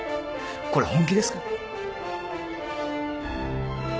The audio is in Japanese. これ本気ですか？